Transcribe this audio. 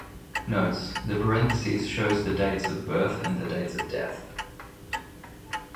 Notes: The parentheses shows the dates of birth and the dates of death.